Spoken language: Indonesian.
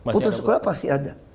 putus sekolah pasti ada